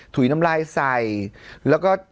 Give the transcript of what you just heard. ถุยน้ำลายใส่แล้วก็